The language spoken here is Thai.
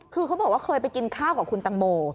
คือเขาบอกว่าเคยไปกินข้าวกับคุณตังโม